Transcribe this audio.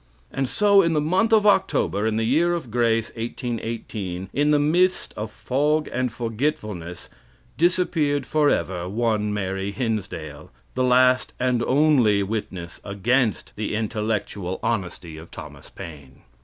And so in the month of October, in the year of grace 1818, in the mist of fog and forgetfulness, disappeared forever one Mary Hinsdale, the last and only witness against the intellectual honesty of Thomas Paine.